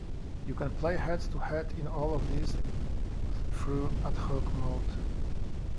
You can play head to head in all of these through "ad hoc" mode.